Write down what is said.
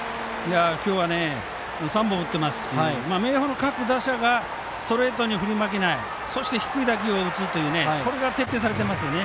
今日は３本打っていますし明豊の各打者がストレートに振り負けないそして、低い打球を打つということが徹底されていますね。